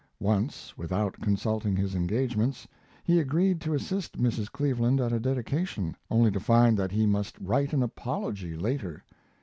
Once, without consulting his engagements, he agreed to assist Mrs. Cleveland at a dedication, only to find that he must write an apology later.